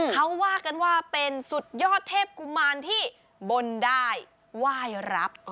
เขาว่ากันว่าเป็นสุดยอดเทพกุมารที่บนได้ไหว้รับ